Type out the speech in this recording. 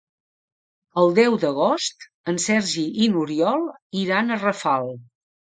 El deu d'agost en Sergi i n'Oriol iran a Rafal.